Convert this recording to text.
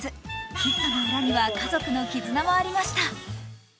ヒットの裏には家族の絆もありました。